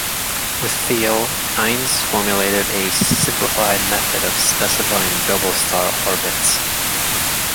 With Thiele, Innes formulated a simplified method of specifying double star orbits.